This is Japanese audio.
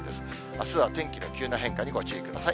あすは天気の急な変化にご注意ください。